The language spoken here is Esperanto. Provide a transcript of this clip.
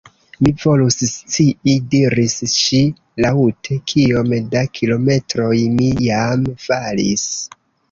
"Mi volus scii," diris ŝi laŭte, "kiom da kilometroj mi jam falis. »